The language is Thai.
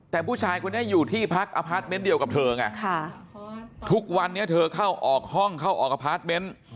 แต่ผู้ชายคนนี้อยู่ที่พักอพาร์ทเมนต์เดียวกับเธอไงทุกวันนี้เธอเข้าออกห้องเข้าออกอพาร์ทเมนต์